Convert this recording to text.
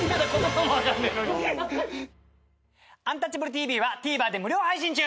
「アンタッチャブるＴＶ」はＴＶｅｒで無料配信中！